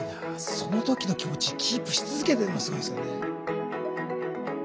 その時の気持ちキープし続けてるのがすごいですよね。